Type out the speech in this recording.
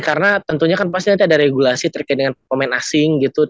karena tentunya kan pasti nanti ada regulasi terkait dengan pemain asing gitu